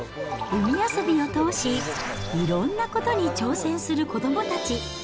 海遊びを通し、いろんなことに挑戦する子どもたち。